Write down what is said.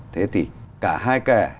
thế thì cả hai kẻ